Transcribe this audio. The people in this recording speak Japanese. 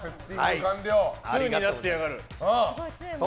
２になってやがる。